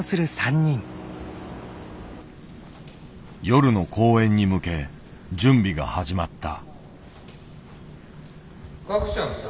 夜の公演に向け準備が始まった。